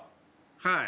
はい。